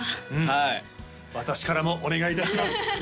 はい私からもお願いいたします